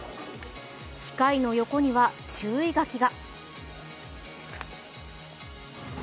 機械の横には、注意書きが。